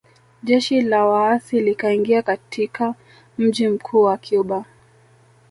Jeshi la waasi likaingia katika mji mkuu wa Cuba